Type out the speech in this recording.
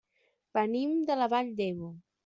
Venim de la Vall d'Ebo.